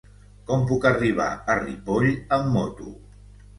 Com puc arribar a Ripoll amb moto?